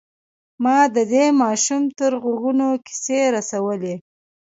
ما د دې ماشوم تر غوږونو کيسې رسولې.